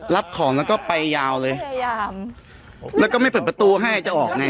รับของแล้วก็ไปยาวเลยพยายามแล้วก็ไม่เปิดประตูให้จะออกไง